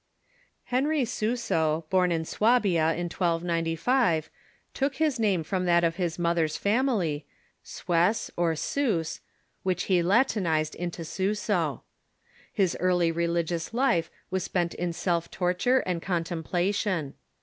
Henry Suso, born in Suabia, in 1295, took his name from that of his mother's family, Suess, or Seuss, which he Latinized into Suso. His early religious life was spent in self Her.ry Suso .... torture and contemplation.